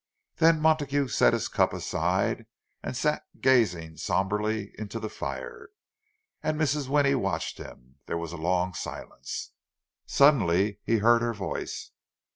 Then Montague set his cup aside, and sat gazing sombrely into the fire. And Mrs. Winnie watched him. There was a long silence. Suddenly he heard her voice.